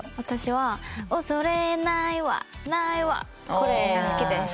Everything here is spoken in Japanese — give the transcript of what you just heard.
これが好きです。